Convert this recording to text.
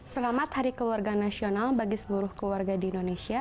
selamat hari keluarga nasional bagi seluruh keluarga di indonesia